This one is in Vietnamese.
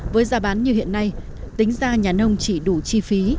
với giá bán như hiện nay tính ra nhà nông chỉ đủ chi phí